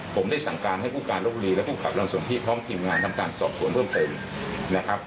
ผมได้สั่งการให้ผู้การรบบุรีและภูมิกับเราส่วนที่พร้อมทีมงานทำการสอบสวนเพิ่มเติมนะครับ